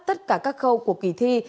tất cả các khâu của kỳ thi